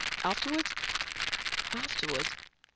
Afterward?" "Afterward?